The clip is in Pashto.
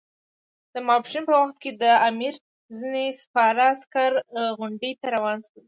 د ماپښین په وخت کې د امیر ځینې سپاره عسکر غونډۍ ته روان شول.